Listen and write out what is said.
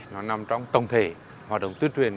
nó nằm trong tổng thể hoạt động tuyên truyền